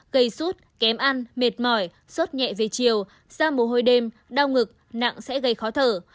gây sút kém ăn mệt mỏi sốt nhẹ về chiều ra mồ hôi đêm đau ngực nặng sẽ gây khó thở